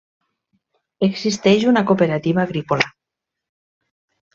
Existeix una cooperativa agrícola.